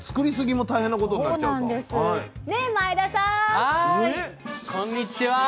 はいこんにちは。